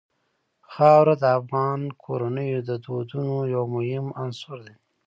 خاوره د افغان کورنیو د دودونو یو مهم عنصر دی.